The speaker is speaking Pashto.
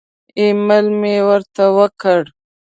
ایمیل مې ورته وکړ.